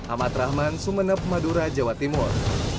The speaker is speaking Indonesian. ahmad rahman sumeneb madura jawa timur